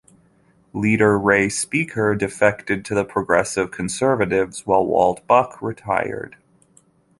Leader Ray Speaker defected to the Progressive Conservatives, while Walt Buck retired.